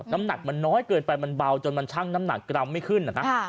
น้ำหนักมันน้อยเกินไปมันเบาจนมันชั่งน้ำหนักกรัมไม่ขึ้น